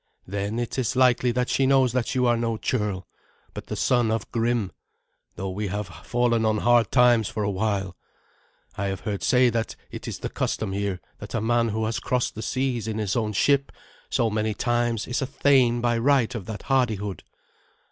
Then it is likely that she knows that you are no churl, but the son of Grim, though we have fallen on hard times for a while. I have heard say that it is the custom here that a man who has crossed the seas in his own ship so many times is a thane by right of that hardihood.